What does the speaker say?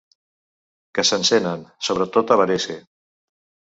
Que s'encenen, sobretot a Varese.